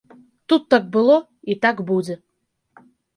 Тут так было, і так будзе.